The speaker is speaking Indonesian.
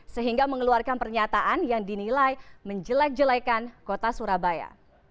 sehingga mengeluarkan pernyataan yang dinilai menjelek jelekan kota surabaya